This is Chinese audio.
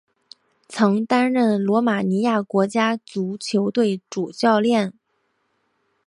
曾担任罗马尼亚国家足球队主教练。